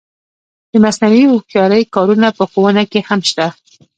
د مصنوعي هوښیارۍ کارونه په ښوونه کې هم شته.